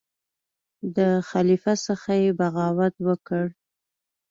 د خلیفه څخه یې بغاوت وکړ.